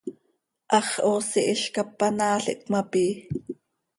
Hax hoosi hizcap panaal ih cömapii.